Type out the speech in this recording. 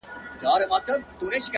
زمـا مــاسوم زړه ـ